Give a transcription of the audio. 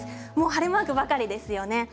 晴れマークばかりですよね。